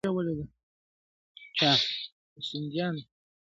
سر له کتابه کړه راپورته!!